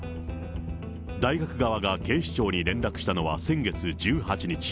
大学側が警視庁に連絡したのは先月１８日。